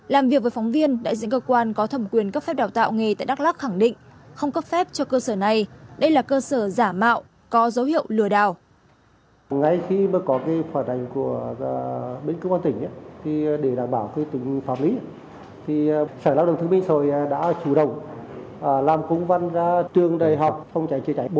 làm việc với phóng viên đại diện cơ quan có thẩm quyền cấp phép đào tạo nghề tại đắk lắc khẳng định